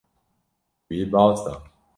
Wî baz da.